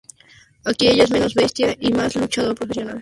Aquí, ella es menos bestia y más un luchador profesional.